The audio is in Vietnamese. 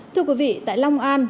thưa quý vị tại long an